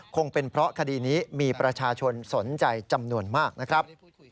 คงเป็นเพราะคดีนี้มีประชาชนสนใจจำนวนมากนะครับ